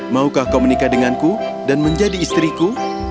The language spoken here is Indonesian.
maukah kau menikah denganku dan menjadi istriku